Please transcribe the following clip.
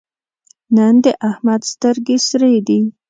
نن د احمد سترګې سرې دي.